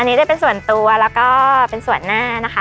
อันนี้ได้เป็นส่วนตัวแล้วก็เป็นส่วนหน้านะคะ